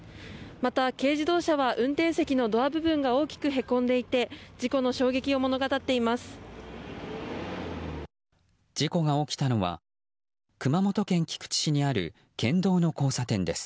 また、軽自動車は運転席のドア部分が大きくへこんでいて事故の衝撃を物語っています。